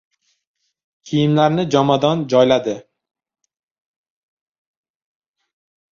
Kiyimlarini jomadon joyladi.